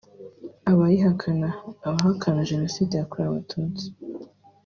Abayihakana (abahakana Jenoside yakorewe abatutsi)